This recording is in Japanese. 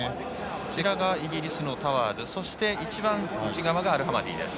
イギリスのタワーズそして一番内側がアルハマディ。